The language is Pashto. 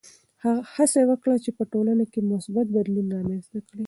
هڅه وکړه چې په ټولنه کې مثبت بدلون رامنځته کړې.